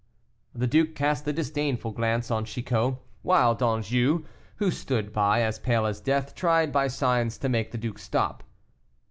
The duke cast a disdainful glance on Chicot, while d'Anjou, who stood by, as pale as death, tried by signs, to make the duke stop.